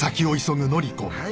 はい。